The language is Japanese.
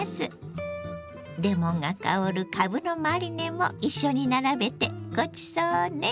レモンが香るかぶのマリネも一緒に並べてごちそうね。